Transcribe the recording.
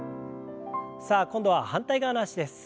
さあ今度は反対側の脚です。